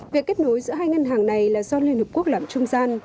việc kết nối giữa hai ngân hàng này là do liên hợp quốc làm trung gian